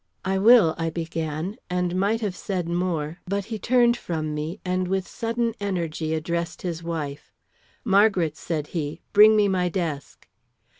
"I will," I began, and might have said more, but he turned from me and with sudden energy addressed his wife. "Margaret," said he, "bring me my desk."